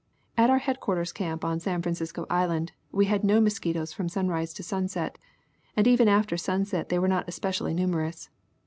At our headquarters camp on San Francisco island, we had no mosquitoes from sunrise to sunset, and even after sunset they were not especially numerous.